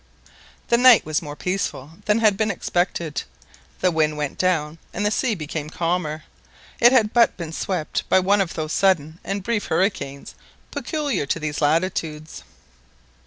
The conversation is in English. The night was more peaceful than had been expected; the wind went down, and the sea became calmer; it had but been swept by one of those sudden and brief hurricanes peculiar to these latitudes.